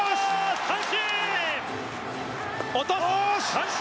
三振！